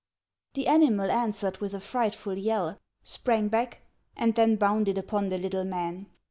The animal answered with a frightful yell, sprang back, and then bounded upon the little man.